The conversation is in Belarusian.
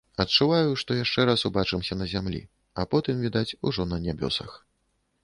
Адчуваю, што яшчэ раз убачымся на зямлі, а потым, відаць, ужо на нябёсах.